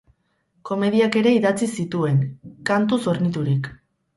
Komediak ere idatzi zituen, kantuz horniturik.